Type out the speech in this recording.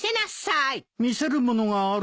見せるものがあるのかい？